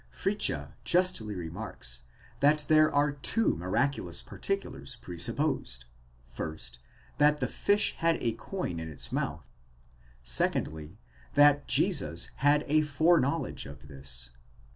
Fritzsche justly remarks, that there are two miraculous particulars pre supposed : first, that the fish had a coin in its mouth; secondly, that Jesus had a foreknowledge of this.